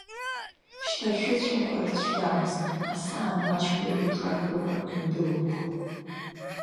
Шьҭа шәыцәақәар цәгьамызт, асаан маҷқәа еихаргыланы индәылылгон.